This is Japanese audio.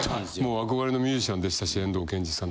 憧れのミュージシャンでしたし遠藤賢司さん。